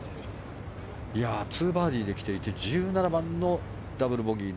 ２バーディーできていて１７番でダブルボギー。